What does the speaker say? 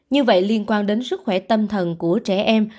như vậy liên quan đến sức khỏe tâm thần của trẻ em